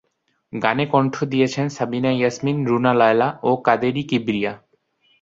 গানে কণ্ঠ দিয়েছেন সাবিনা ইয়াসমিন, রুনা লায়লা ও কাদেরী কিবরিয়া।